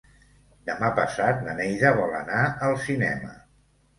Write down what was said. Demà passat na Neida vol anar al cinema.